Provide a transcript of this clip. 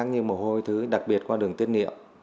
khác như mồ hôi thứ đặc biệt qua đường tiết niệu